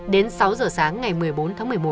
đến sáu giờ sáng ngày một mươi bốn tháng một mươi một